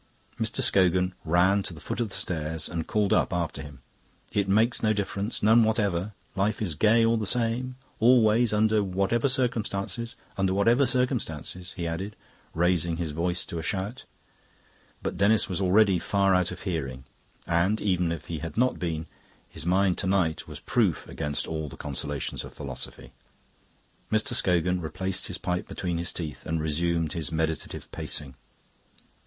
Mr. Scogan ran to the foot of the stairs and called up after him. "It makes no difference, none whatever. Life is gay all the same, always, under whatever circumstances under whatever circumstances," he added, raising his voice to a shout. But Denis was already far out of hearing, and even if he had not been, his mind to night was proof against all the consolations of philosophy. Mr. Scogan replaced his pipe between his teeth and resumed his meditative pacing.